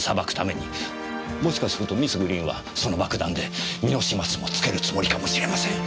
もしかするとミス・グリーンはその爆弾で身の始末もつけるつもりかもしれません。